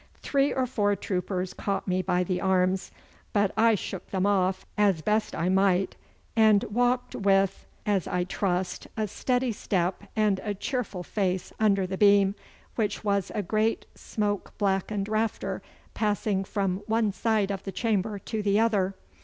Three or four troopers caught me by the arms, but I shook them off as best I might, and walked with, as I trust, a steady step and a cheerful face under the beam, which was a great smoke blackened rafter passing from one side of the chamber to the other.